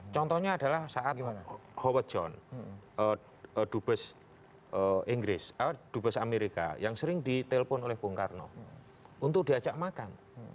contohnya adalah saat howard jones dubes amerika yang sering ditelepon oleh pung karno untuk diajak makan